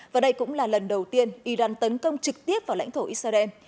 và đây cũng là lần đầu tiên iran tấn công trực tiếp vào lãnh thổ israel